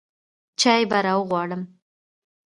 چاى به راغواړم.